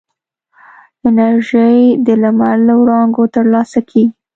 انرژي د لمر له وړانګو ترلاسه کېږي.